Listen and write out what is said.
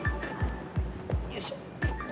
よいしょ。